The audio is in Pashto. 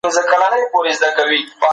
موږ د تلپاتې سولې په لټه کي يو.